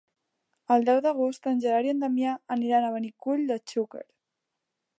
El deu d'agost en Gerard i en Damià aniran a Benicull de Xúquer.